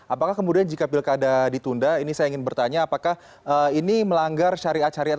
apakah kemudian jika pilkada ditunda ini saya ingin bertanya apakah ini melanggar syariat syariat